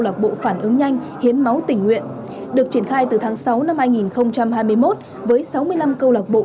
lạc bộ phản ứng nhanh hiến máu tình nguyện được triển khai từ tháng sáu năm hai nghìn hai mươi một với sáu mươi năm câu lạc bộ